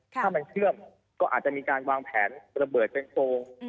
ถ้ามันเชื่อมก็อาจจะมีการวางแผนระเบิดเป็นโปรง